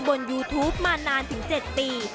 บนยูทูปมานานถึง๗ปี